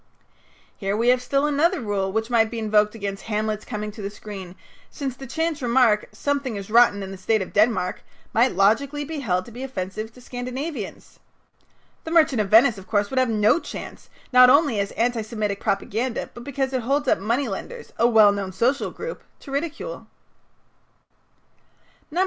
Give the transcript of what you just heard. Here we have still another rule which might be invoked against Hamlet's coming to the screen, since the chance remark, "Something is rotten in the state of Denmark," might logically be held to be offensive to Scandinavians. "The Merchant of Venice," of course, would have no chance, not only as anti Semitic propaganda, but because it holds up money lenders, a well known social group, to ridicule.